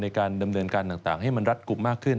ในการดำเนินการต่างให้มันรัดกลุ่มมากขึ้น